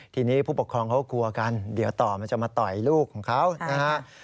ทีนี้ผู้ปกครองเขากลัวกันเดี๋ยวต่อมันจะมาต่อยลูกของเขานะฮะ